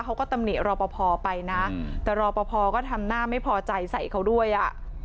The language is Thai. เขาก็ตำหนิรอประพอไปนะแต่รอประพอก็ทำหน้าไม่พอใจใส่เขาด้วยอ่ะ